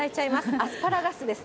アスパラガスです。